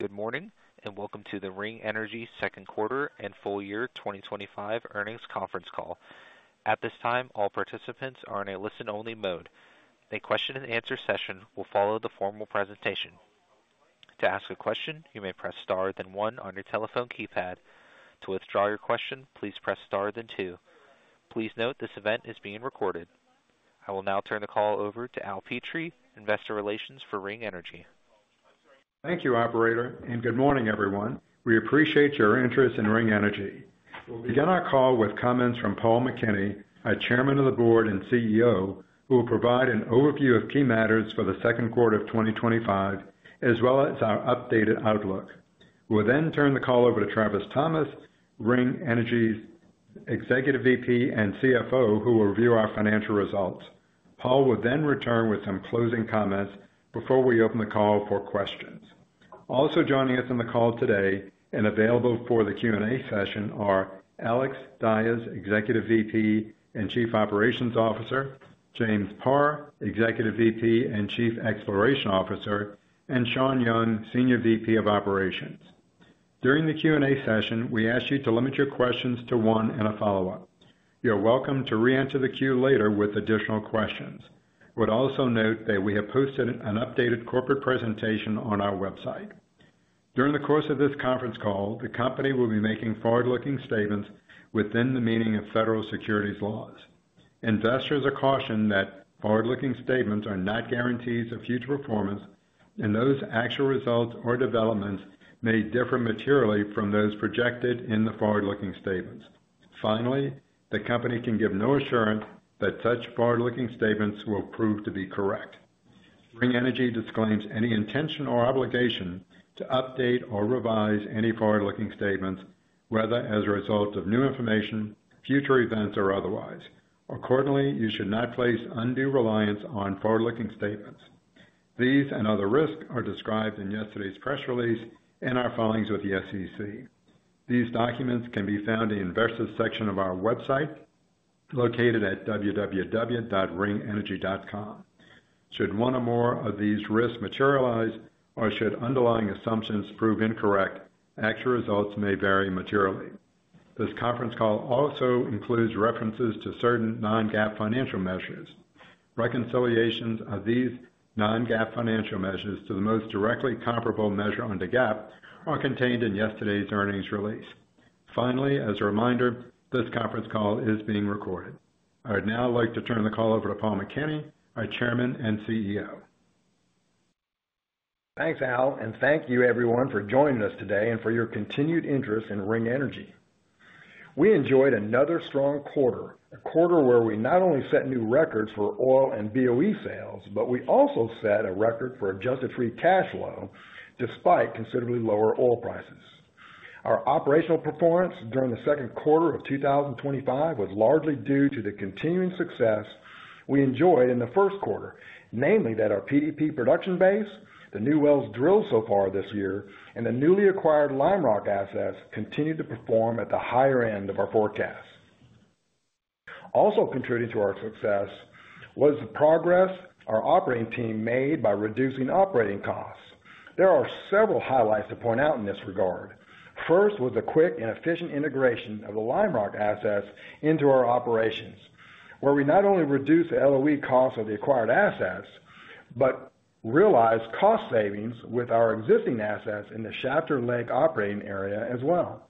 Good morning and Welcome to the Ring Energy Second Quarter and Full Year 2025 Earnings Conference Call. At this time, all participants are in a listen-only mode. The question and answer session will follow the formal presentation. To ask a question, you may press star then one on your telephone keypad. To withdraw your question, please press star then two. Please note this event is being recorded. I will now turn the call over to Al Petrie, Investor Relations for Ring Energy. Thank you, Operator, and good morning, everyone. We appreciate your interest in Ring Energy. We begin our call with comments from Paul McKinney, Chairman of the Board and CEO, who will provide an overview of key matters for the second quarter of 2025, as well as our updated outlook. We'll then turn the call over to Travis Thomas, Ring Energy's Executive Vice President and CFO, who will review our financial results. Paul will then return with some closing comments before we open the call for questions. Also joining us on the call today and available for the Q&A session are Alex Dyes, Executive Vice President and Chief Operating Officer; James Parr, Executive Vice President and Chief Exploration Officer; and Shawn Young, Senior Vice President of Operations. During the Q&A session, we ask you to limit your questions to one and a follow-up. You're welcome to re-enter the queue later with additional questions. We would also note that we have posted an updated corporate presentation on our website. During the course of this conference call, the company will be making forward-looking statements within the meaning of federal securities laws. Investors are cautioned that forward-looking statements are not guarantees of future performance, and that actual results or developments may differ materially from those projected in the forward-looking statements. The company can give no assurance that such forward-looking statements will prove to be correct. Ring Energy disclaims any intention or obligation to update or revise any forward-looking statements, whether as a result of new information, future events, or otherwise. Accordingly, you should not place undue reliance on forward-looking statements. These and other risks are described in yesterday's press release and our filings with the SEC. These documents can be found in the Investors section of our website, located at www.ringenergy.com. Should one or more of these risks materialize, or should underlying assumptions prove incorrect, actual results may vary materially. This conference call also includes references to certain non-GAAP financial measures. Reconciliations of these non-GAAP financial measures to the most directly comparable measure under GAAP are contained in yesterday's earnings release. As a reminder, this conference call is being recorded. I would now like to turn the call over to Paul McKinney, our Chairman and CEO. Thanks, Al, and thank you, everyone, for joining us today and for your continued interest in Ring Energy. We enjoyed another strong quarter, a quarter where we not only set new records for oil and BOE sales, but we also set a record for adjusted free cash flow despite considerably lower oil prices. Our operational performance during the second quarter of 2025 was largely due to the continuing success we enjoyed in the first quarter, namely that our PDP production base, the new wells drilled so far this year, and the newly acquired Lime Rock assets continued to perform at the higher end of our forecasts. Also contributing to our success was the progress our operating team made by reducing operating costs. There are several highlights to point out in this regard. First was the quick and efficient integration of the Lime Rock assets into our operations, where we not only reduced the LOE costs of the acquired assets, but realized cost savings with our existing assets in the sheltered leg operating area as well.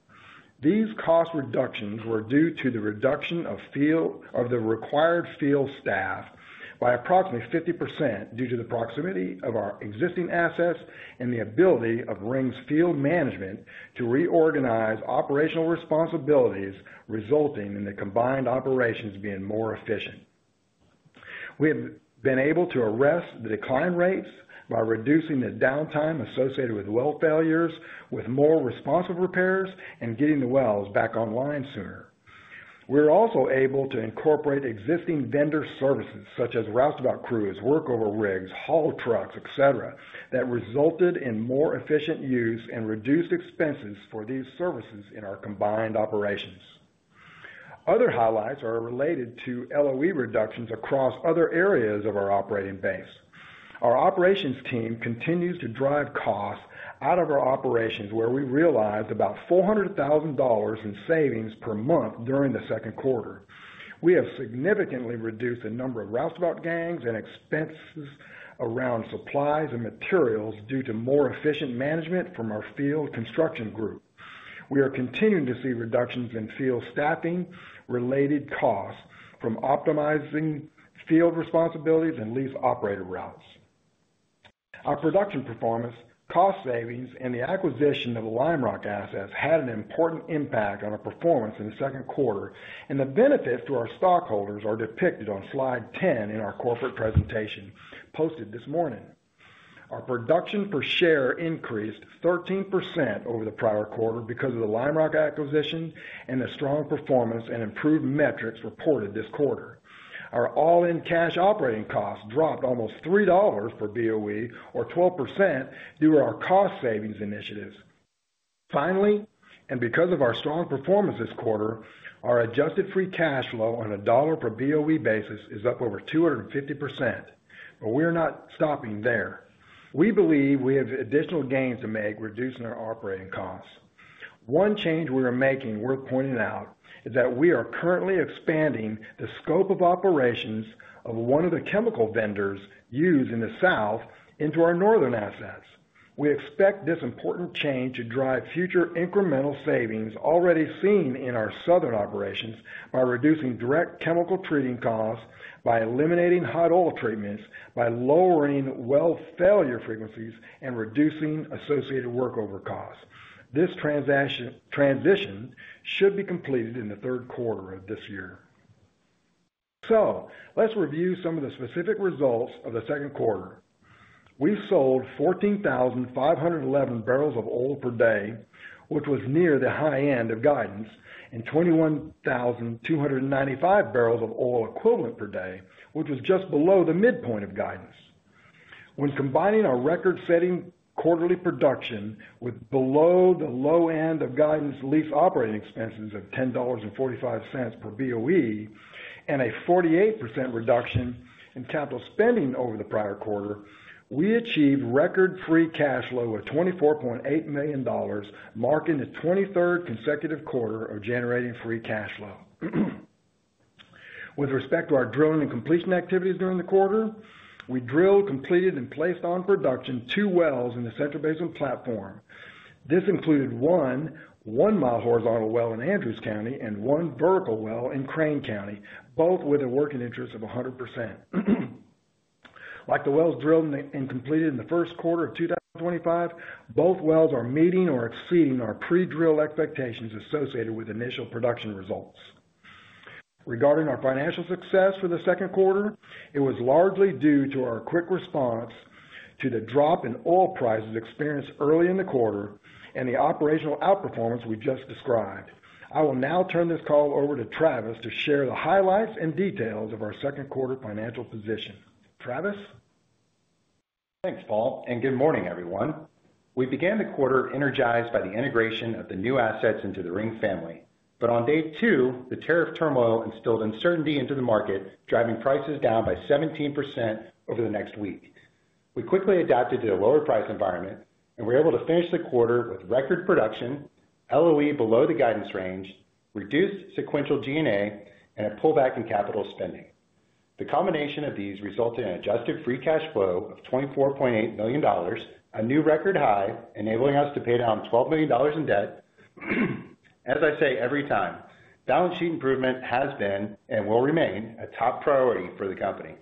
These cost reductions were due to the reduction of the required field staff by approximately 50% due to the proximity of our existing assets and the ability of Ring's field management to reorganize operational responsibilities, resulting in the combined operations being more efficient. We have been able to arrest the decline rates by reducing the downtime associated with well failures, with more responsive repairs, and getting the wells back online sooner. We were also able to incorporate existing vendor services such as roustabout crews, workover rigs, haul trucks, et cetera, that resulted in more efficient use and reduced expenses for these services in our combined operations. Other highlights are related to LOE reductions across other areas of our operating base. Our operations team continues to drive costs out of our operations, where we realized about $400,000 in savings per month during the second quarter. We have significantly reduced the number of Roustabout gangs and expenses around supplies and materials due to more efficient management from our field construction group. We are continuing to see reductions in field staffing-related costs from optimizing field responsibilities and lease operator routes. Our production performance, cost savings, and the acquisition of the Lime Rock assets had an important impact on our performance in the second quarter, and the benefits to our stockholders are depicted on slide 10 in our corporate presentation posted this morning. Our production per share increased 13% over the prior quarter because of the Lime Rock acquisition and the strong performance and improved metrics reported this quarter. Our all-in cash operating costs dropped almost $3 per BOE, or 12%, due to our cost savings initiatives. Finally, because of our strong performance this quarter, our adjusted free cash flow on a dollar per BOE basis is up over 250%. We are not stopping there. We believe we have additional gains to make reducing our operating costs. One change we are making worth pointing out is that we are currently expanding the scope of operations of one of the chemical vendors used in the south into our northern assets. We expect this important change to drive future incremental savings already seen in our southern operations by reducing direct chemical treating costs, by eliminating hot oil treatments, by lowering well failure frequencies, and reducing associated workover costs. This transition should be completed in the third quarter of this year. Let's review some of the specific results of the second quarter. We sold 14,511 barrels of oil per day, which was near the high end of guidance, and 21,295 barrels of oil equivalent per day, which was just below the midpoint of guidance. When combining our record-setting quarterly production with below the low end of guidance lease operating expenses of $10.45 per BOE and a 48% reduction in capital spending over the prior quarter, we achieved record free cash flow of $24.8 million, marking the 23rd consecutive quarter of generating free cash flow. With respect to our drilling and completion activities during the quarter, we drilled, completed, and placed on production two wells in the Central Basin Platform. This included one one-mile horizontal well in Andrews County and one vertical well in Crane County, both with a working interest of 100%. Like the wells drilled and completed in the first quarter of 2025, both wells are meeting or exceeding our pre-drill expectations associated with initial production results. Regarding our financial success for the second quarter, it was largely due to our quick response to the drop in oil prices experienced early in the quarter and the operational outperformance we just described. I will now turn this call over to Travis to share the highlights and details of our second quarter financial position. Travis? Thanks, Paul, and good morning, everyone. We began the quarter energized by the integration of the new assets into the Ring family. On day two, the tariff turmoil instilled uncertainty into the market, driving prices down by 17% over the next week. We quickly adapted to a lower price environment, and we're able to finish the quarter with record production, LOE below the guidance range, reduced sequential G&A, and a pullback in capital spending. The combination of these resulted in an adjusted free cash flow of $24.8 million, a new record high, enabling us to pay down $12 million in debt. As I say every time, balance sheet improvement has been and will remain a top priority for the company.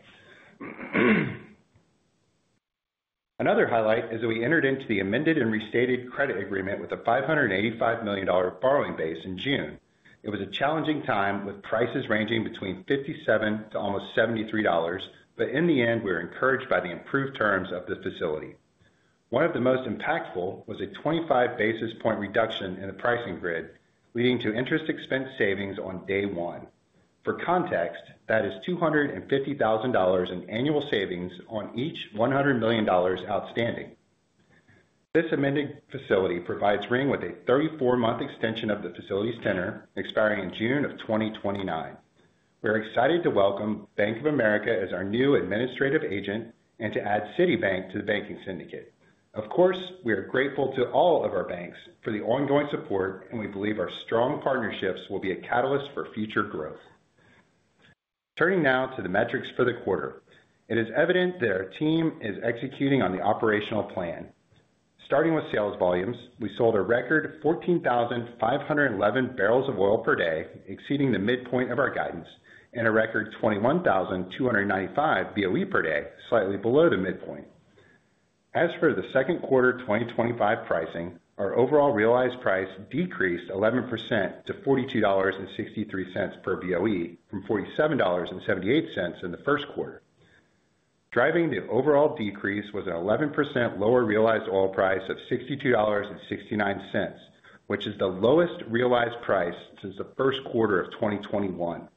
Another highlight is that we entered into the amended and restated credit agreement with a $585 million borrowing base in June. It was a challenging time with prices ranging between $57 to almost $73, but in the end, we were encouraged by the improved terms of the facility. One of the most impactful was a 25 basis point reduction in the pricing grid, leading to interest expense savings on day one. For context, that is $250,000 in annual savings on each $100 million outstanding. This amended facility provides Ring with a 34-month extension of the facility's tenure, expiring in June of 2029. We're excited to welcome Bank of America as our new administrative agent and to add Citibank to the banking syndicate. Of course, we are grateful to all of our banks for the ongoing support, and we believe our strong partnerships will be a catalyst for future growth. Turning now to the metrics for the quarter, it is evident that our team is executing on the operational plan. Starting with sales volumes, we sold a record 14,511 barrels of oil per day, exceeding the midpoint of our guidance, and a record 21,295 BOE per day, slightly below the midpoint. As for the second quarter 2025 pricing, our overall realized price decreased 11% to $42.63 per BOE from $47.78 in the first quarter. Driving the overall decrease was an 11% lower realized oil price of $62.69, which is the lowest realized price since the first quarter of 2021.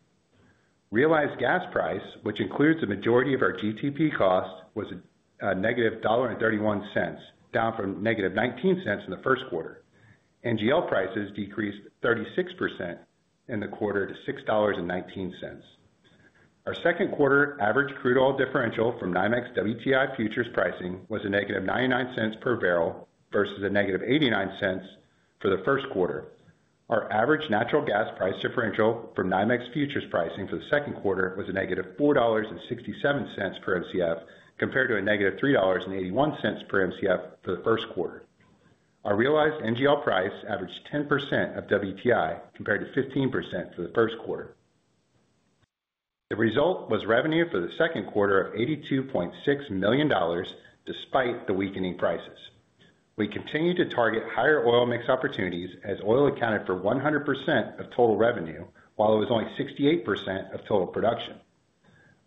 Realized gas price, which includes the majority of our GTP cost, was a -$1.31, down from -$0.19 in the first quarter. NGL prices decreased 36% in the quarter to $6.19. Our second quarter average crude oil differential from NYMEX WTI futures pricing was a -$0.99 per barrel versus a -$0.89 for the first quarter. Our average natural gas price differential from NYMEX futures pricing for the second quarter was a -$4.67 per MCF compared to a -$3.81 per MCF for the first quarter. Our realized NGL price averaged 10% of WTI compared to 15% for the first quarter. The result was revenue for the second quarter of $82.6 million despite the weakening prices. We continued to target higher oil mix opportunities as oil accounted for 100% of total revenue, while it was only 68% of total production.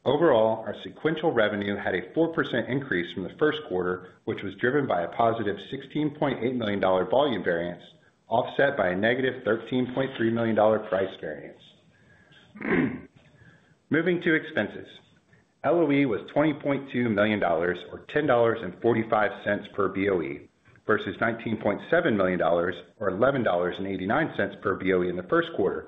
Overall, our sequential revenue had a 4% increase from the first quarter, which was driven by a positive $16.8 million volume variance offset by a -$13.3 million price variance. Moving to expenses, LOE was $20.2 million or $10.45 per BOE versus $19.7 million or $11.89 per BOE in the first quarter.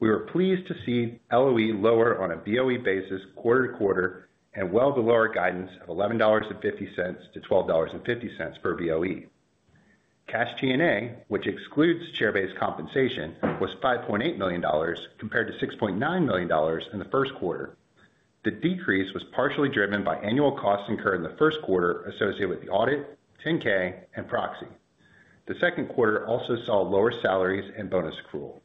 We were pleased to see LOE lower on a BOE basis quarter to quarter and well below our guidance of $11.50-$12.50 per BOE. Cash G&A, which excludes share-based compensation, was $5.8 million compared to $6.9 million in the first quarter. The decrease was partially driven by annual costs incurred in the first quarter associated with the audit, 10-K, and proxy. The second quarter also saw lower salaries and bonus accrual.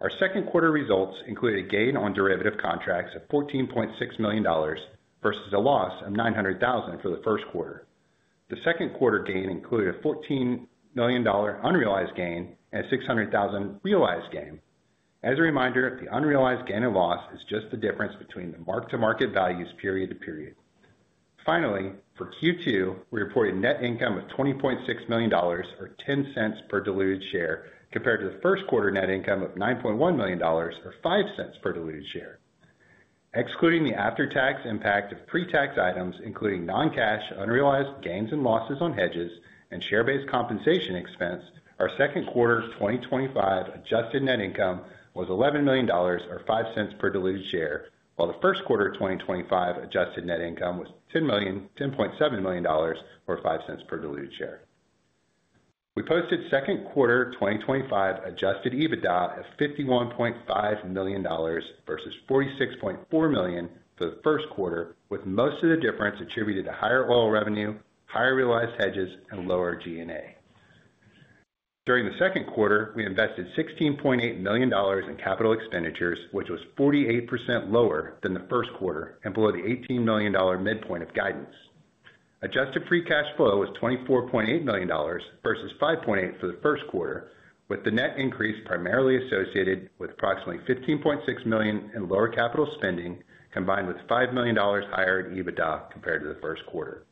Our second quarter results included a gain on derivative contracts of $14.6 million versus a loss of $0.9 million for the first quarter. The second quarter gain included a $14 million unrealized gain and a $0.6 million realized gain. As a reminder, the unrealized gain and loss is just the difference between the mark-to-market values period to period. Finally, for Q2, we reported net income of $20.6 million or $0.10 per diluted share compared to the first quarter net income of $9.1 million or $0.05 per diluted share. Excluding the after-tax impact of pre-tax items, including non-cash unrealized gains and losses on hedges and share-based compensation expense, our second quarter 2025 adjusted net income was $11 million or $0.05 per diluted share, while the first quarter 2025 adjusted net income was $10.7 million or $0.05 per diluted share. We posted second quarter 2025 adjusted EBITDA at $51.5 million versus $46.4 million for the first quarter, with most of the difference attributed to higher oil revenue, higher realized hedges, and lower G&A. During the second quarter, we invested $16.8 million in capital expenditures, which was 48% lower than the first quarter and below the $18 million midpoint of guidance. Adjusted free cash flow was $24.8 million versus $5.8 million for the first quarter, with the net increase primarily associated with approximately $15.6 million in lower capital spending, combined with $5 million higher in EBITDA compared to the first quarter.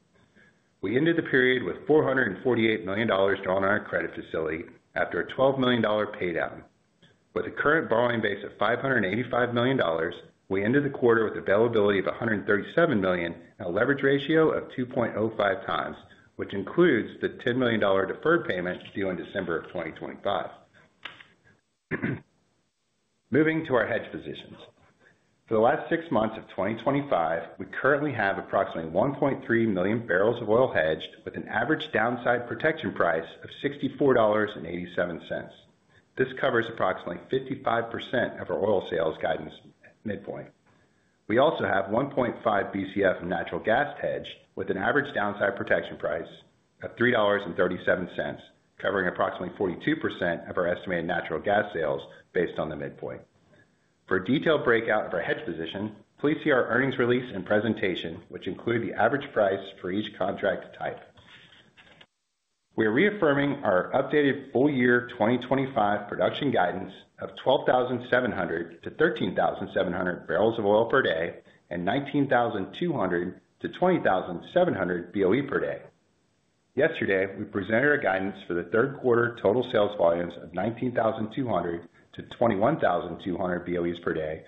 We ended the period with $448 million drawn on our credit facility after a $12 million paydown. With a current borrowing base of $585 million, we ended the quarter with availability of $137 million and a leverage ratio of 2.05 times, which includes the $10 million deferred payment due in December of 2025. Moving to our hedge positions, for the last six months of 2025, we currently have approximately 1.3 million barrels of oil hedged with an average downside protection price of $64.87. This covers approximately 55% of our oil sales guidance midpoint. We also have 1.5 Bcf natural gas hedged with an average downside protection price of $3.37, covering approximately 42% of our estimated natural gas sales based on the midpoint. For a detailed breakout of our hedge position, please see our earnings release and presentation, which include the average price for each contract type. We are reaffirming our updated full-year 2025 production guidance of 12,700-13,700 barrels of oil per day and 19,200-20,700 BOE per day. Yesterday, we presented our guidance for the third quarter total sales volumes of 19,200-21,200 BOE per day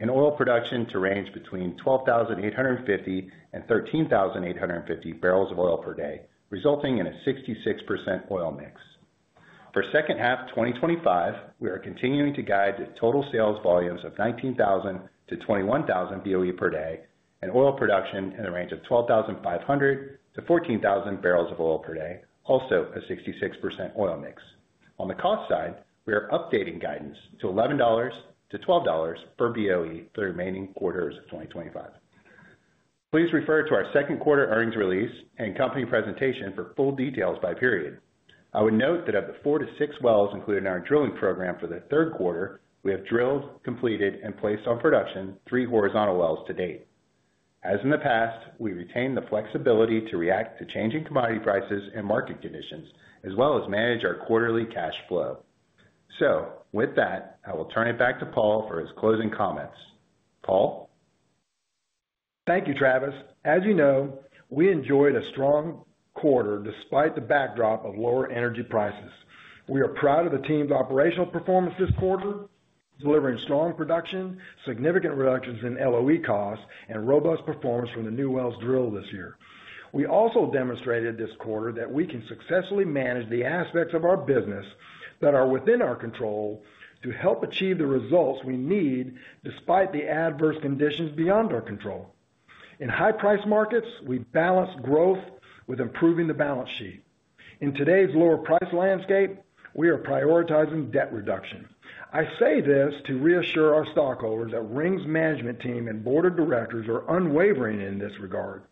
and oil production to range between 12,850 and 13,850 barrels of oil per day, resulting in a 66% oil mix. For second half 2025, we are continuing to guide the total sales volumes of 19,000-21,000 BOE per day and oil production in the range of 12,500-14,000 barrels of oil per day, also a 66% oil mix. On the cost side, we are updating guidance to $11-$12 per BOE for the remaining quarters of 2025. Please refer to our second quarter earnings release and company presentation for full details by period. I would note that of the four to six wells included in our drilling program for the third quarter, we have drilled, completed, and placed on production three horizontal wells to date. As in the past, we retain the flexibility to react to changing commodity prices and market conditions, as well as manage our quarterly cash flow. I will turn it back to Paul for his closing comments. Paul? Thank you, Travis. As you know, we enjoyed a strong quarter despite the backdrop of lower energy prices. We are proud of the team's operational performance this quarter, delivering strong production, significant reductions in LOE costs, and robust performance from the new wells drilled this year. We also demonstrated this quarter that we can successfully manage the aspects of our business that are within our control to help achieve the results we need despite the adverse conditions beyond our control. In high-priced markets, we balance growth with improving the balance sheet. In today's lower price landscape, we are prioritizing debt reduction. I say this to reassure our stockholders that Ring Energy's management team and board of directors are unwavering in this regard.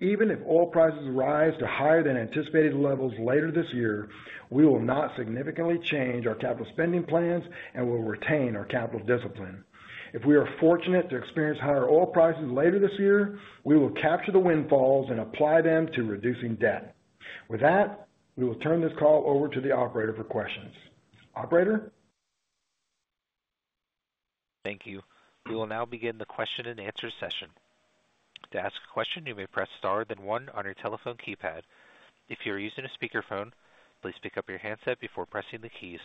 Even if oil prices rise to higher than anticipated levels later this year, we will not significantly change our capital spending plans and will retain our capital discipline. If we are fortunate to experience higher oil prices later this year, we will capture the windfalls and apply them to reducing debt. With that, we will turn this call over to the operator for questions. Operator? Thank you. We will now begin the question and answer session. To ask a question, you may press star then one on your telephone keypad. If you are using a speakerphone, please pick up your handset before pressing the keys.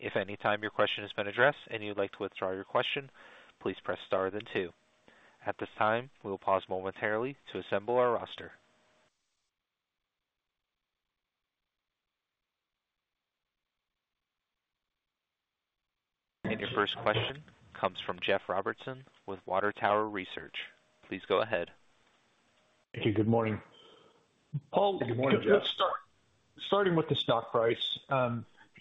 If at any time your question has been addressed and you would like to withdraw your question, please press star then two. At this time, we will pause momentarily to assemble our roster. Your first question comes from Jeff Robertson with Water Tower Research. Please go ahead. Hey, good morning. Paul, good morning, Jeff. Starting with the stock price,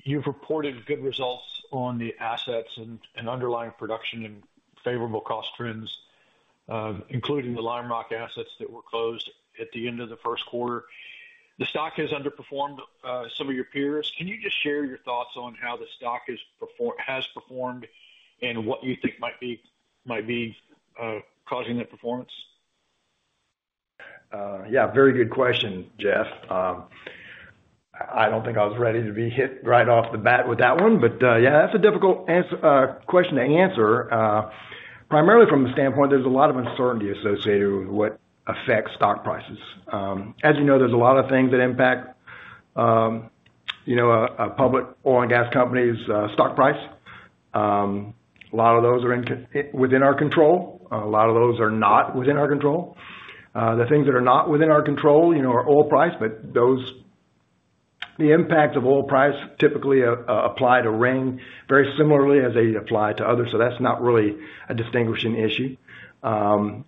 you've reported good results on the assets and underlying production and favorable cost trends, including the Lime Rock assets that were closed at the end of the first quarter. The stock has underperformed some of your peers. Can you just share your thoughts on how the stock has performed and what you think might be causing that performance? Yeah, very good question, Jeff. I don't think I was ready to be hit right off the bat with that one, but yeah, that's a difficult question to answer. Primarily from the standpoint, there's a lot of uncertainty associated with what affects stock prices. As you know, there's a lot of things that impact, you know, a public oil and gas company's stock price. A lot of those are within our control. A lot of those are not within our control. The things that are not within our control, you know, are oil price, but those, the impacts of oil price typically apply to Ring very similarly as they apply to others. That's not really a distinguishing issue. In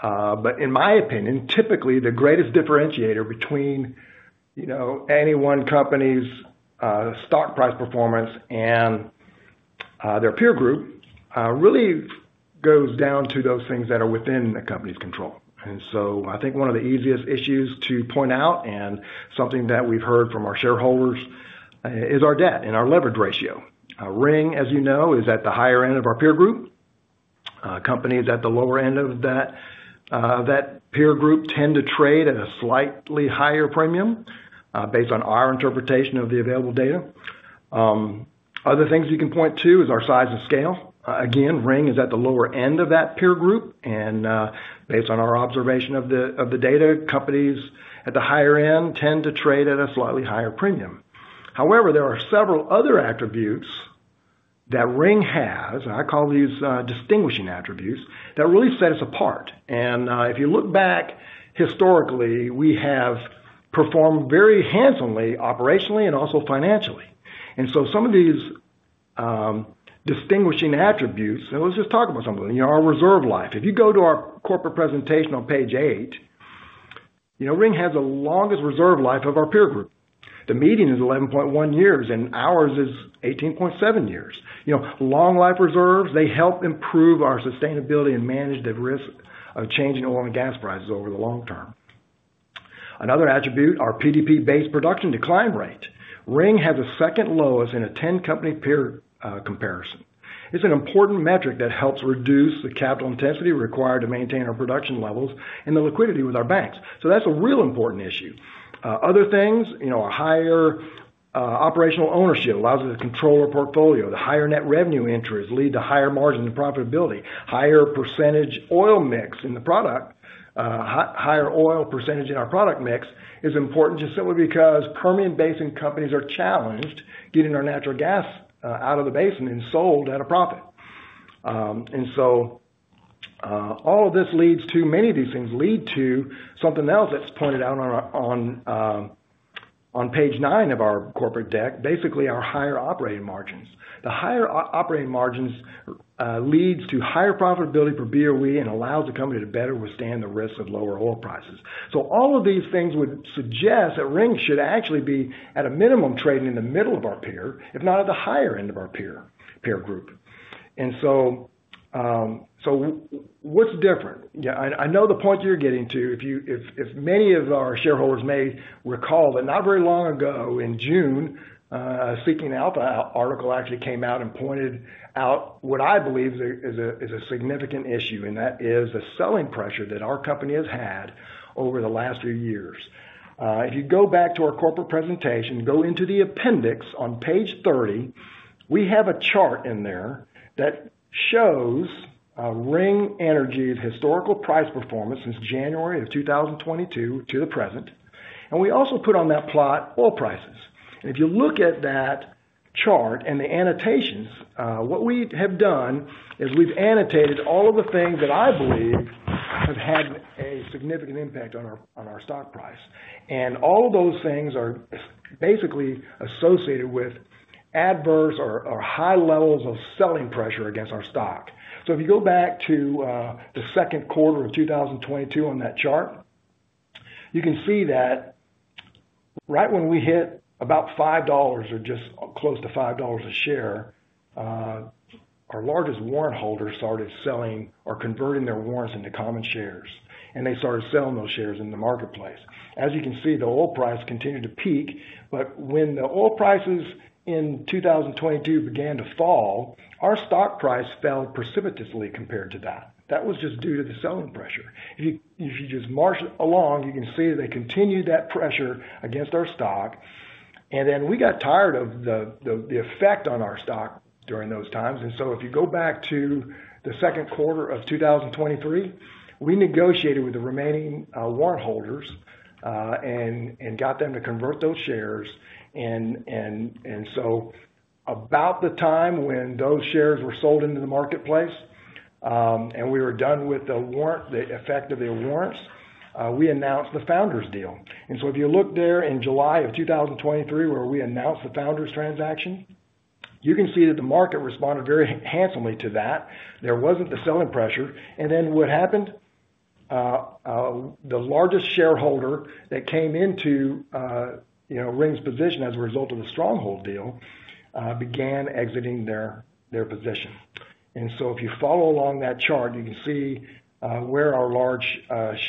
my opinion, typically the greatest differentiator between, you know, any one company's stock price performance and their peer group really goes down to those things that are within the company's control. I think one of the easiest issues to point out and something that we've heard from our shareholders is our debt and our leverage ratio. Ring, as you know, is at the higher end of our peer group. Companies at the lower end of that peer group tend to trade at a slightly higher premium based on our interpretation of the available data. Other things you can point to is our size and scale. Again, Ring is at the lower end of that peer group, and based on our observation of the data, companies at the higher end tend to trade at a slightly higher premium. However, there are several other attributes that Ring has, and I call these distinguishing attributes, that really set us apart. If you look back historically, we have performed very handsomely operationally and also financially. Some of these distinguishing attributes, and let's just talk about some of them, you know, our reserve life. If you go to our corporate presentation on page eight, you know, Ring has the longest reserve life of our peer group. The median is 11.1 years, and ours is 18.7 years. Long life reserves help improve our sustainability and manage the risk of changing oil and gas prices over the long term. Another attribute, our PDP-based production decline rate. Ring has the second lowest in a 10-company peer comparison. It's an important metric that helps reduce the capital intensity required to maintain our production levels and the liquidity with our banks. That's a real important issue. Other things, you know, a higher operational ownership allows us to control our portfolio. The higher net revenue interests lead to higher margins and profitability. Higher percentage oil mix in the product, higher oil percentage in our product mix is important just simply because Permian Basin companies are challenged getting our natural gas out of the basin and sold at a profit. All of this leads to many of these things leading to something else that's pointed out on page nine of our corporate deck, basically our higher operating margins. The higher operating margins lead to higher profitability per BOE and allow the company to better withstand the risk of lower oil prices. All of these things would suggest that Ring should actually be at a minimum trading in the middle of our peer, if not at the higher end of our peer group. What's different? I know the point you're getting to. Many of our shareholders may recall that not very long ago in June, a Seeking Alpha article actually came out and pointed out what I believe is a significant issue, and that is the selling pressure that our company has had over the last few years. If you go back to our corporate presentation, go into the appendix on page 30, we have a chart in there that shows Ring Energy's historical price performance since January of 2022 to the present. We also put on that plot oil prices. If you look at that chart and the annotations, what we have done is we've annotated all of the things that I believe have had a significant impact on our stock price. All of those things are basically associated with adverse or high levels of selling pressure against our stock. If you go back to the second quarter of 2022 on that chart, you can see that right when we hit about $5 or just close to $5 a share, our largest warrant holders started selling or converting their warrants into common shares. They started selling those shares in the marketplace. As you can see, the oil price continued to peak, but when the oil prices in 2022 began to fall, our stock price fell precipitously compared to that. That was just due to the selling pressure. If you just march along, you can see that they continued that pressure against our stock. We got tired of the effect on our stock during those times. If you go back to the second quarter of 2023, we negotiated with the remaining warrant holders and got them to convert those shares. About the time when those shares were sold into the marketplace and we were done with the effect of their warrants, we announced the Founders deal. If you look there in July of 2023 where we announced the Founders transaction, you can see that the market responded very handsomely to that. There was not the selling pressure. What happened is the largest shareholder that came into Ring Energy's position as a result of the Stronghold deal began exiting their position. If you follow along that chart, you can see where our large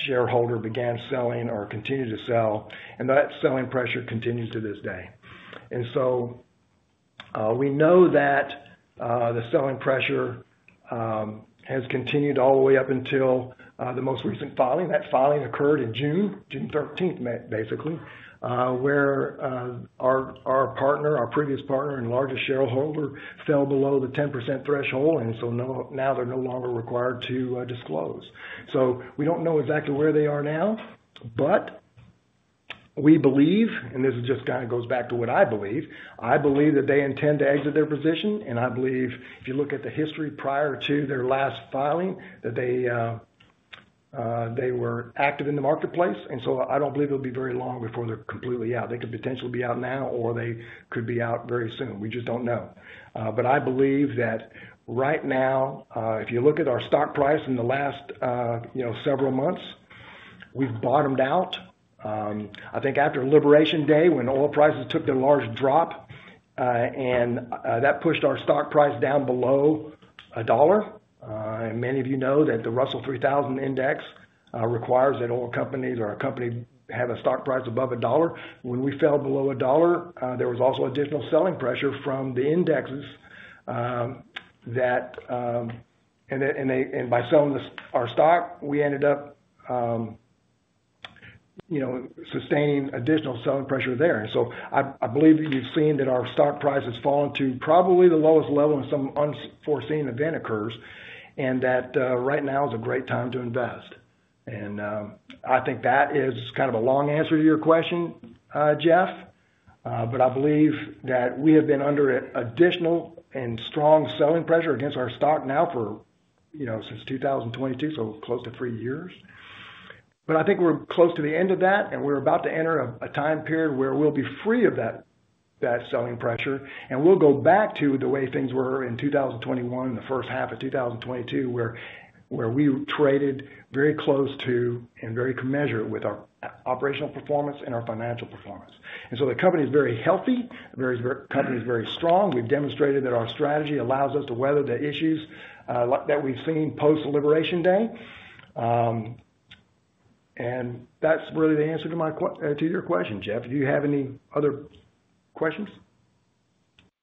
shareholder began selling or continued to sell, and that selling pressure continues to this day. We know that the selling pressure has continued all the way up until the most recent filing. That filing occurred in June, June 13th, basically, where our partner, our previous partner and largest shareholder, fell below the 10% threshold, and now they are no longer required to disclose. We do not know exactly where they are now, but we believe, and this just kind of goes back to what I believe, I believe that they intend to exit their position, and I believe if you look at the history prior to their last filing, that they were active in the marketplace. I do not believe it will be very long before they are completely out. They could potentially be out now, or they could be out very soon. We just do not know. I believe that right now, if you look at our stock price in the last several months, we have bottomed out. I think after Liberation Day, when oil prices took the large drop, that pushed our stock price down below $1. Many of you know that the Russell 3000 index requires that oil companies or a company have a stock price above $1. When we fell below $1, there was also additional selling pressure from the indexes that, and by selling our stock, we ended up sustaining additional selling pressure there. I believe that you have seen that our stock price has fallen to probably the lowest level when some unforeseen event occurs, and that right now is a great time to invest. I think that is kind of a long answer to your question, Jeff, but I believe that we have been under additional and strong selling pressure against our stock now for, you know, since 2022, so close to three years. I think we're close to the end of that, and we're about to enter a time period where we'll be free of that selling pressure. We'll go back to the way things were in 2021, the first half of 2022, where we traded very close to and very commensurate with our operational performance and our financial performance. The company is very healthy, the company is very strong. We've demonstrated that our strategy allows us to weather the issues that we've seen post-Liberation Day. That's really the answer to your question, Jeff. Do you have any other questions?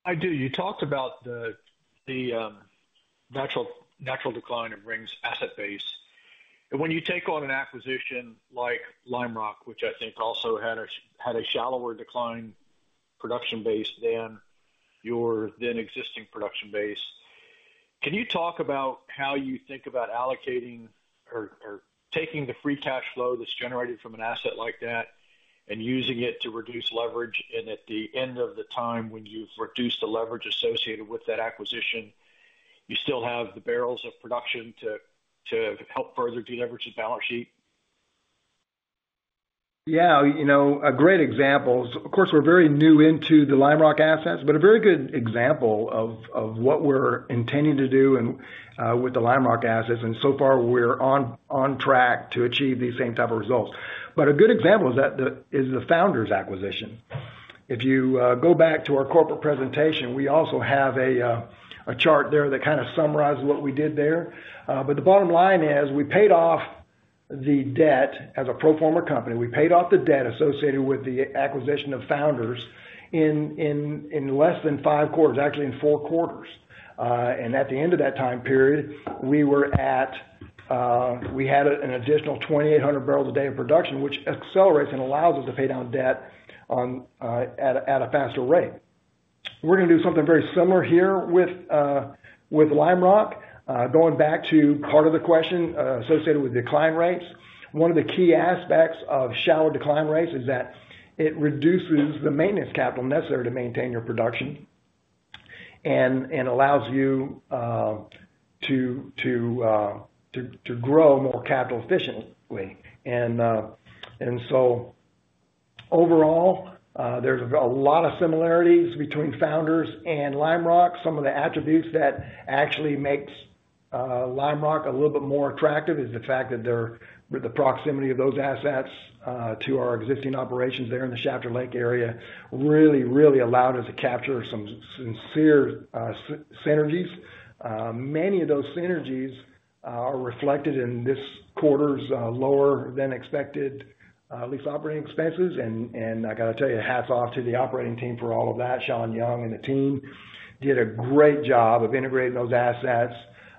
I do. You talked about the natural decline of Ring's asset base. When you take on an acquisition like Lime Rock, which I think also had a shallower decline production base than your then-existing production base, can you talk about how you think about allocating or taking the free cash flow that's generated from an asset like that and using it to reduce leverage? At the end of the time when you've reduced the leverage associated with that acquisition, you still have the barrels of production to help further deleverage the balance sheet? Yeah, you know, a great example is, of course, we're very new into the Lime Rock assets, but a very good example of what we're intending to do with the Lime Rock assets. So far, we're on track to achieve these same type of results. A good example is the Founders CBP asset acquisition. If you go back to our corporate presentation, we also have a chart there that kind of summarizes what we did there. The bottom line is we paid off the debt as a pro-forma company. We paid off the debt associated with the acquisition of Founders in less than five quarters, actually in four quarters. At the end of that time period, we had an additional 2,800 barrels a day of production, which accelerates and allows us to pay down debt at a faster rate. We're going to do something very similar here with Lime Rock. Going back to part of the question associated with decline rates, one of the key aspects of shallow decline rates is that it reduces the maintenance capital necessary to maintain your production and allows you to grow more capital efficiently. Overall, there's a lot of similarities between Founders and Lime Rock. Some of the attributes that actually make Lime Rock a little bit more attractive is the fact that the proximity of those assets to our existing operations there in the Shafter Lake area really, really allowed us to capture some sincere synergies. Many of those synergies are reflected in this quarter's lower than expected lease operating expenses. I got to tell you, hats off to the operating team for all of that. Shawn Young and the team did a great job of integrating those assets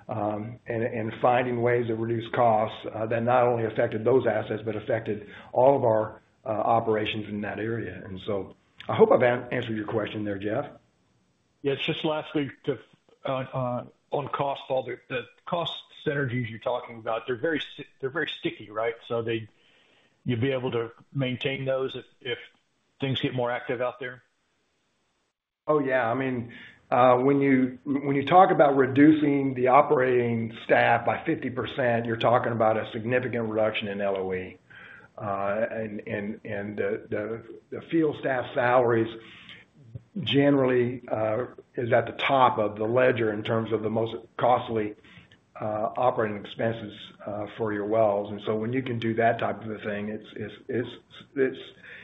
and finding ways to reduce costs that not only affected those assets, but affected all of our operations in that area. I hope I've answered your question there, Jeff. Yeah, just lastly, on cost, Paul, the cost synergies you're talking about, they're very sticky, right? You'd be able to maintain those if things get more active out there? Oh, yeah. I mean, when you talk about reducing the operating staff by 50%, you're talking about a significant reduction in LOE. The field staff salaries generally are at the top of the ledger in terms of the most costly operating expenses for your wells. When you can do that type of a thing,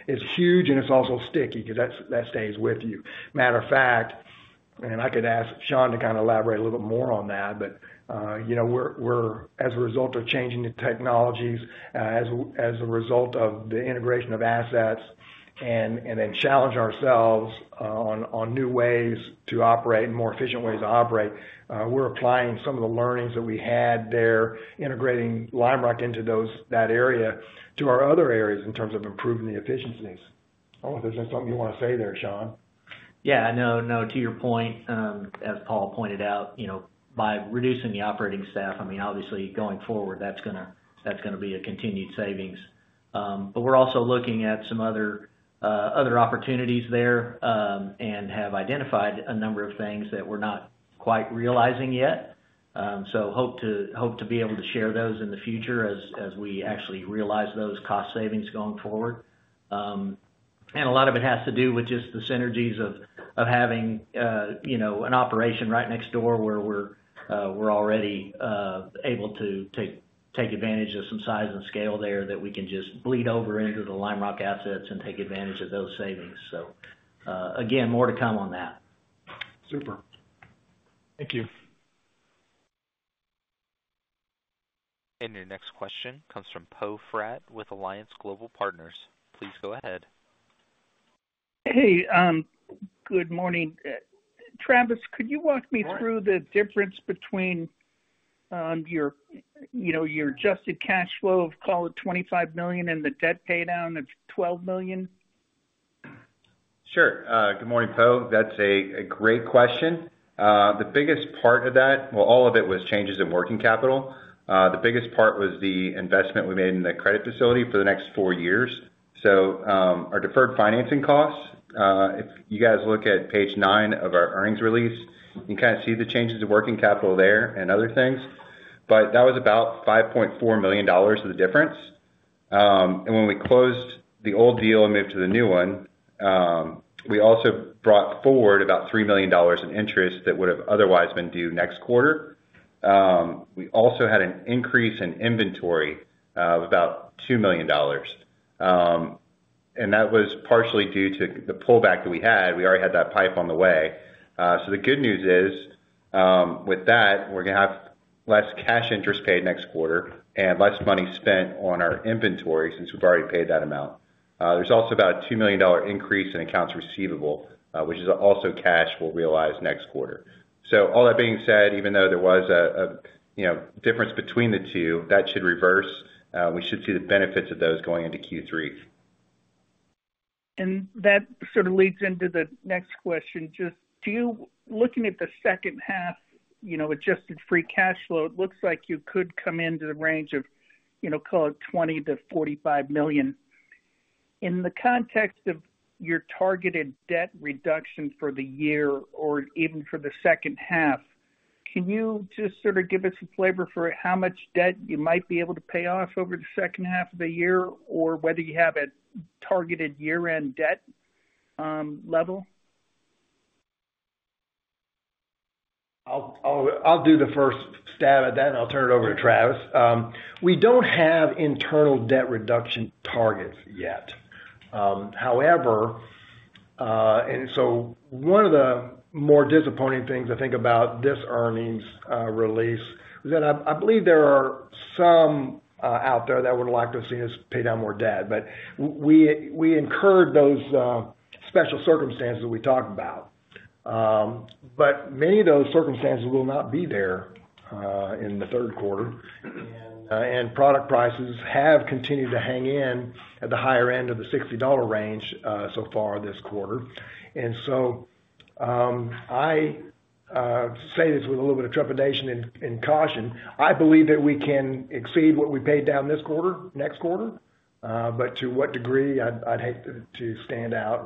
it's huge and it's also sticky because that stays with you. As a matter of fact, I could ask Shawn to kind of elaborate a little bit more on that, but as a result of changing the technologies, as a result of the integration of assets, and then challenging ourselves on new ways to operate and more efficient ways to operate, we're applying some of the learnings that we had there, integrating Lime Rock into that area to our other areas in terms of improving the efficiencies. I don't know if there's something you want to say there, Shawn? Yeah, to your point, as Paul pointed out, by reducing the operating staff, obviously going forward, that's going to be a continued savings. We're also looking at some other opportunities there and have identified a number of things that we're not quite realizing yet. Hope to be able to share those in the future as we actually realize those cost savings going forward. A lot of it has to do with just the synergies of having an operation right next door where we're already able to take advantage of some size and scale there that we can just bleed over into the Lime Rock assets and take advantage of those savings. More to come on that. Super. Thank you. Your next question comes from Poe Fratt with Alliance Global Partners. Please go ahead. Hey, good morning. Travis, could you walk me through the difference between your adjusted cash flow of, call it, $25 million and the debt paydown of $12 million? Sure. Good morning, Poe. That's a great question. The biggest part of that, all of it was changes in working capital. The biggest part was the investment we made in the credit facility for the next four years. Our deferred financing costs, if you guys look at page nine of our earnings release, you can kind of see the changes in working capital there and other things. That was about $5.4 million of the difference. When we closed the old deal and moved to the new one, we also brought forward about $3 million in interest that would have otherwise been due next quarter. We also had an increase in inventory of about $2 million. That was partially due to the pullback that we had. We already had that pipe on the way. The good news is, with that, we're going to have less cash interest paid next quarter and less money spent on our inventory since we've already paid that amount. There's also about a $2 million increase in accounts receivable, which is also cash we'll realize next quarter. All that being said, even though there was a difference between the two, that should reverse. We should see the benefits of those going into Q3. That sort of leads into the next question. Just looking at the second half, you know, adjusted free cash flow, it looks like you could come into the range of, you know, call it $20 million-$45 million. In the context of your targeted debt reduction for the year or even for the second half, can you just sort of give us a flavor for how much debt you might be able to pay off over the second half of the year or whether you have a targeted year-end debt level? I'll do the first stab at that, and I'll turn it over to Travis. We don't have internal debt reduction targets yet. However, one of the more disappointing things I think about this earnings release is that I believe there are some out there that would like to have seen us pay down more debt. We incurred those special circumstances we talked about. Many of those circumstances will not be there in the third quarter. Product prices have continued to hang in at the higher end of the $60 range so far this quarter. I say this with a little bit of trepidation and caution. I believe that we can exceed what we paid down this quarter, next quarter. To what degree, I'd hate to stand out.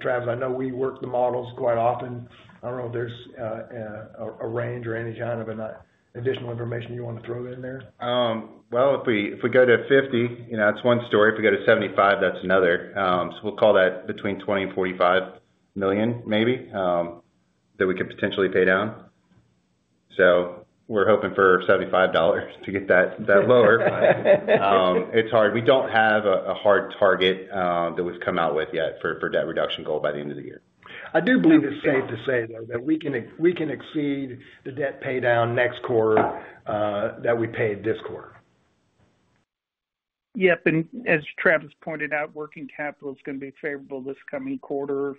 Travis, I know we work the models quite often. I don't know if there's a range or any kind of additional information you want to throw in there. If we go to $50, you know, that's one story. If we go to $75, that's another. We'll call that between $20 million and $45 million maybe that we could potentially pay down. We're hoping for $75 to get that lower. It's hard. We don't have a hard target that we've come out with yet for debt reduction goal by the end of the year. I do believe it's safe to say, though, that we can exceed the debt paydown next quarter that we paid this quarter. Yes. As Travis pointed out, working capital is going to be favorable this coming quarter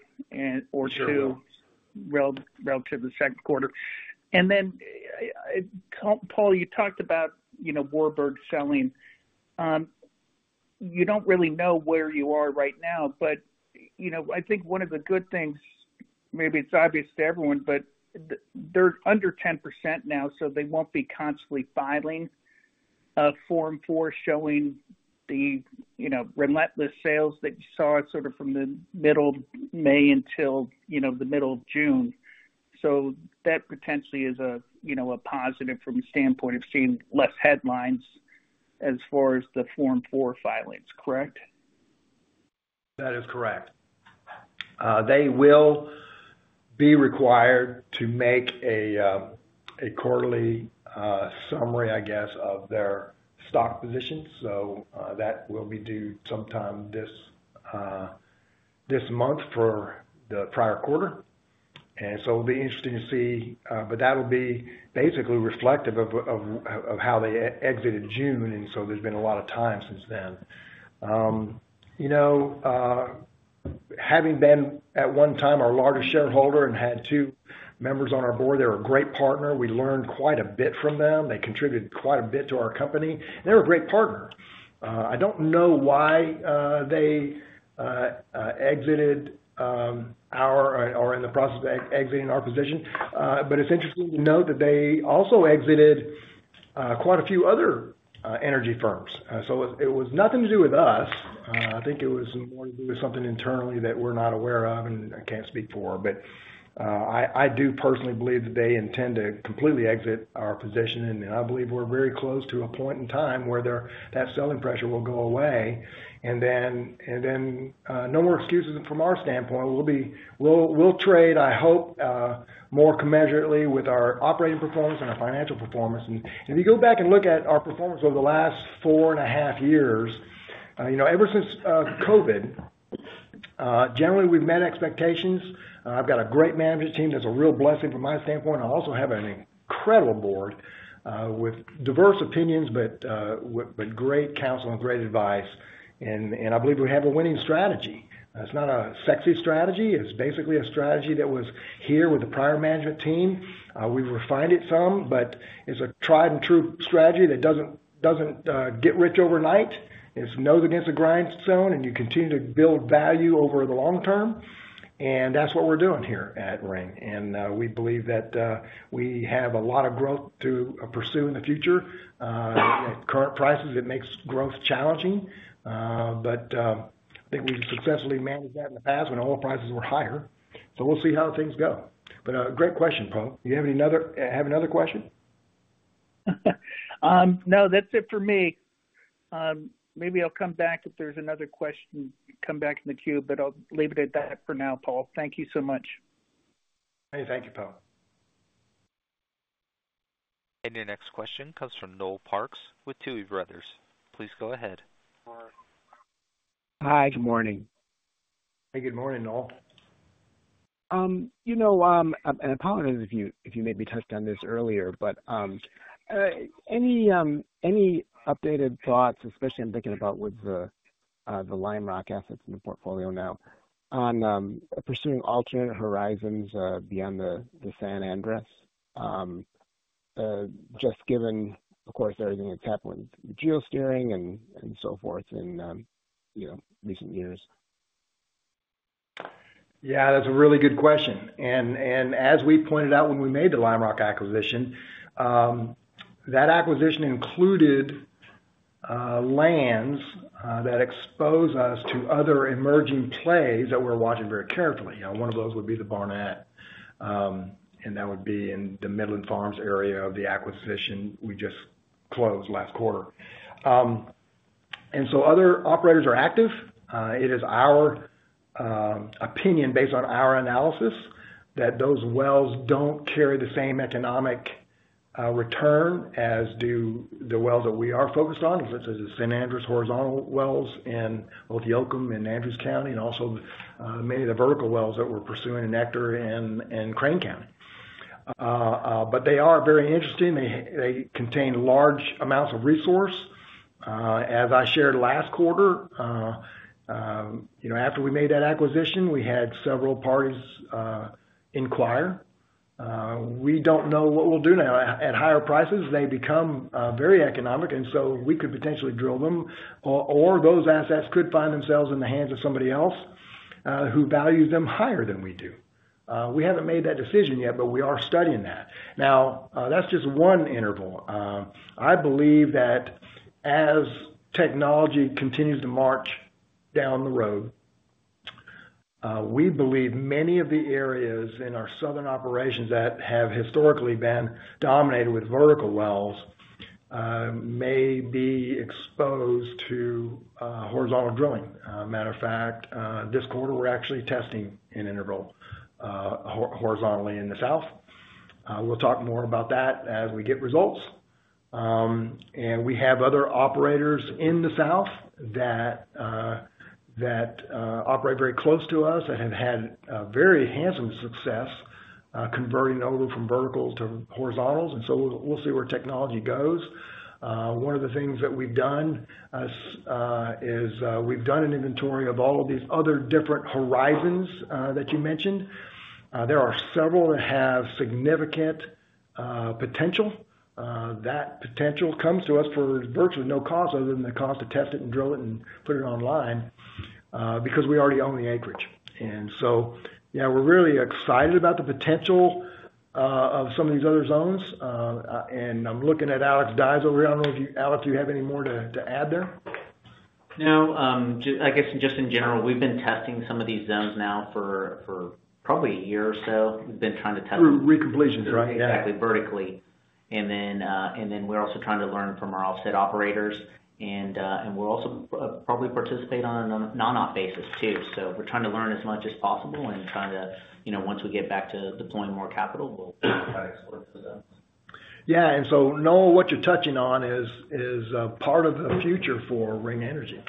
or two relative to the second quarter. Paul, you talked about Warburg Pincus selling. You don't really know where you are right now, but I think one of the good things, maybe it's obvious to everyone, but they're under 10% now, so they won't be constantly filing a Form 4 showing the relentless sales that you saw from the middle of May until the middle of June. That potentially is a positive from the standpoint of seeing less headlines as far as the Form 4 filings, correct? That is correct. They will be required to make a quarterly summary, I guess, of their stock position. That will be due sometime this month for the prior quarter. It will be interesting to see, but that will be basically reflective of how they exited June. There has been a lot of time since then. You know, having been at one time our largest shareholder and had two members on our board, they were a great partner. We learned quite a bit from them. They contributed quite a bit to our company. They were a great partner. I don't know why they exited our or are in the process of exiting our position, but it's interesting to note that they also exited quite a few other energy firms. It was nothing to do with us. I think it was more to do with something internally that we're not aware of and I can't speak for. I do personally believe that they intend to completely exit our position. I believe we're very close to a point in time where that selling pressure will go away. No more excuses from our standpoint. We'll trade, I hope, more commensurately with our operating performance and our financial performance. If you go back and look at our performance over the last four and a half years, you know, ever since COVID, generally, we've met expectations. I've got a great management team. That's a real blessing from my standpoint. I also have an incredible board with diverse opinions, but great counsel and great advice. I believe we have a winning strategy. It's not a sexy strategy. It's basically a strategy that was here with the prior management team. We've refined it some, but it's a tried and true strategy that doesn't get rich overnight. It's nose against the grindstone, and you continue to build value over the long term. That's what we're doing here at Ring. We believe that we have a lot of growth to pursue in the future. At current prices, it makes growth challenging. I think we've successfully managed that in the past when oil prices were higher. We'll see how things go. A great question, Paul. Do you have another question? No, that's it for me. Maybe I'll come back if there's another question in the queue, but I'll leave it at that for now, Paul. Thank you so much. Hey, thank you, Poe. Your next question comes from Noel Parks with Tuohy Brothers. Please go ahead. Hi, good morning. Hey, good morning, Noel. I apologize if you made me touch on this earlier, but any updated thoughts, especially I'm thinking about with the Lime Rock assets in the portfolio now, on pursuing alternate horizons beyond the San Andres, just given, of course, everything that's happened with geosteering and so forth in recent years? That's a really good question. As we pointed out when we made the Lime Rock acquisition, that acquisition included lands that expose us to other emerging plays that we're watching very carefully. One of those would be the Barnett, and that would be in the Midland Farms area of the acquisition we just closed last quarter. Other operators are active. It is our opinion, based on our analysis, that those wells don't carry the same economic return as the wells that we are focused on, such as the San Andres horizontal wells in both Yoakum and Andrews County, and also many of the vertical wells that we're pursuing in Ector and Crane County. They are very interesting. They contain large amounts of resource. As I shared last quarter, after we made that acquisition, we had several parties inquire. We don't know what we'll do now. At higher prices, they become very economic, and we could potentially drill them, or those assets could find themselves in the hands of somebody else who values them higher than we do. We haven't made that decision yet, but we are studying that. That's just one interval. I believe that as technology continues to march down the road, we believe many of the areas in our southern operations that have historically been dominated with vertical wells may be exposed to horizontal drilling. Matter of fact, this quarter, we're actually testing an interval horizontally in the south. We'll talk more about that as we get results. We have other operators in the south that operate very close to us and have had very handsome success converting over from vertical to horizontals. We'll see where technology goes. One of the things that we've done is we've done an inventory of all of these other different horizons that you mentioned. There are several that have significant potential. That potential comes to us for virtually no cost other than the cost to test it and drill it and put it online because we already own the acreage. We're really excited about the potential of some of these other zones. I'm looking at Alex Dyes over here. I don't know if you, Alex, do you have any more to add there? No, I guess just in general, we've been testing some of these zones now for probably a year or so. We've been trying to test. Through recompletions, right? Exactly, vertically. We're also trying to learn from our offset operators. We'll also probably participate on a non-op basis too. We're trying to learn as much as possible and, once we get back to deploying more capital, we'll try to explore it for that. Yeah, what you're touching on is part of the future for Ring Energy.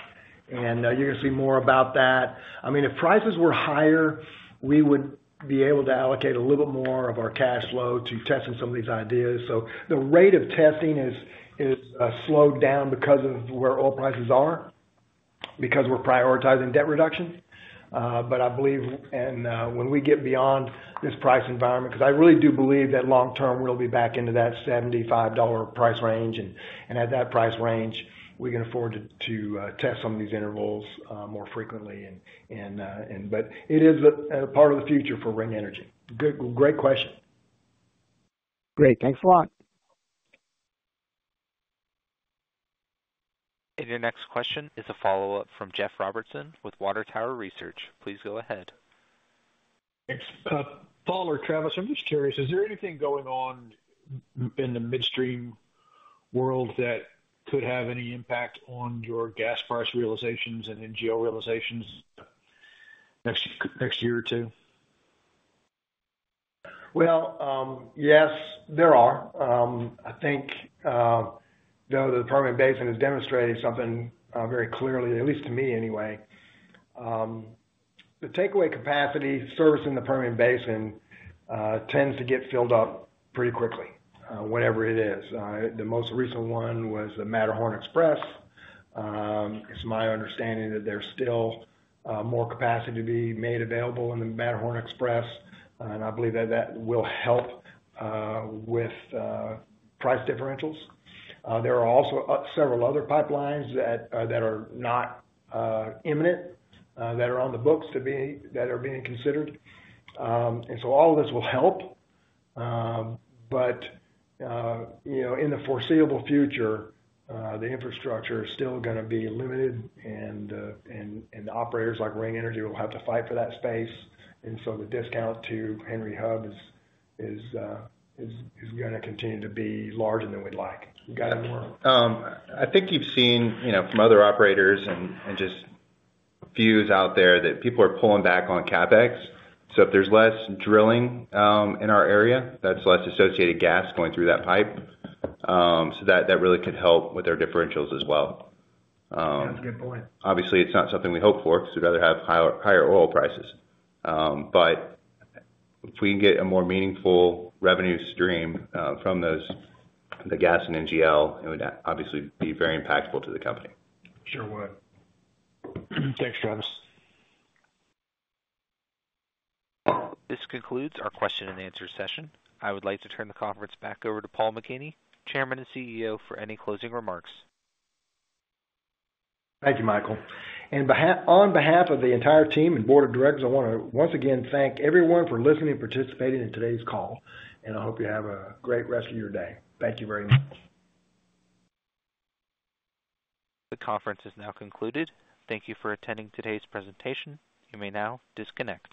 You're going to see more about that. If prices were higher, we would be able to allocate a little bit more of our cash flow to testing some of these ideas. The rate of testing has slowed down because of where oil prices are, because we're prioritizing debt reductions. I believe when we get beyond this price environment, because I really do believe that long term we'll be back into that $75 price range. At that price range, we can afford to test some of these intervals more frequently. It is a part of the future for Ring Energy. Great question. Great, thanks a lot. Your next question is a follow-up from Jeff Robertson with Water Tower Research. Please go ahead. Paul or Travis, I'm just curious, is there anything going on in the midstream world that could have any impact on your gas price realizations and NGL realizations next year or two? Yes, there are. I think, though, the Permian Basin has demonstrated something very clearly, at least to me anyway. The takeaway capacity servicing the Permian Basin tends to get filled up pretty quickly, whatever it is. The most recent one was the Matterhorn Express. It's my understanding that there's still more capacity to be made available in the Matterhorn Express. I believe that that will help with price differentials. There are also several other pipelines that are not imminent that are on the books that are being considered. All of this will help. In the foreseeable future, the infrastructure is still going to be limited, and operators like Ring Energy will have to fight for that space. The discount to Henry Hub is going to continue to be larger than we'd like. You got any more? I think you've seen from other operators and just views out there that people are pulling back on CapEx. If there's less drilling in our area, that's less associated gas going through that pipe. That really could help with our differentials as well. That's a good point. Obviously, it's not something we hope for because we'd rather have higher oil prices. If we can get a more meaningful revenue stream from those, the gas and NGL, it would obviously be very impactful to the company. Sure would. Thanks, Travis. This concludes our question and answer session. I would like to turn the conference back over to Paul McKinney, Chairman and CEO, for any closing remarks. Thank you, Michael. On behalf of the entire team and Board of Directors, I want to once again thank everyone for listening and participating in today's call. I hope you have a great rest of your day. Thank you, Ring Energy. The conference is now concluded. Thank you for attending today's presentation. You may now disconnect.